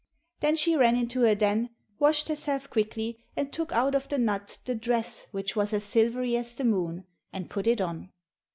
Then she ran into her den, washed herself quickly, and took out of the nut the dress which was as silvery as the moon, and put it on.